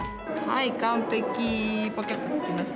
はい完璧。